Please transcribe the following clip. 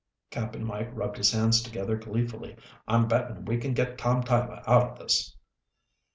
Cap'n Mike rubbed his hands together gleefully. "I'm betting we can get Tom Tyler out of this."